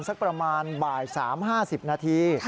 สักประมาณบ่าย๓๕๐นาที